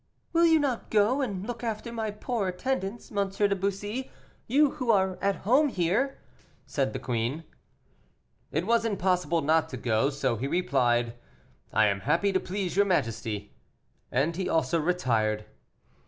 "Will you not go and look after my poor attendants, M. de Bussy? you who are at home here," said the queen. It was impossible not to go, so he replied, "I am happy to please your majesty," and he also retired.